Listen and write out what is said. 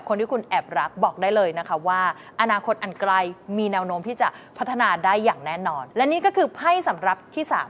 เพราะกองไภบอกมาแล้วค่ะว่า